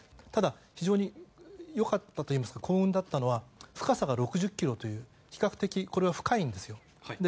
ただ、非常に良かったといいますか幸運だったのは深さが６０ｋｍと比較的深かったんです。